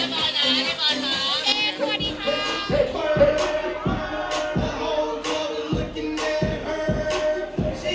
ซึ่งหน้าว่าน่าถูกทำไม